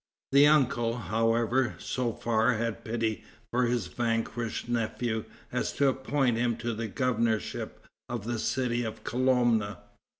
The uncle, however, so far had pity for his vanquished nephew as to appoint him to the governorship of the city of Kolomna.